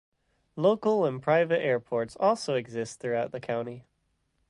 Local and private airports also exist throughout the county.